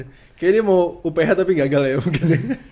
kayaknya ini mau uph tapi gagal ya mungkin